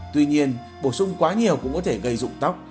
tuy nhiên bổ sung quá nhiều cũng có thể gây dụng tóc